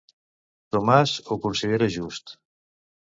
Tomàs ho considera just.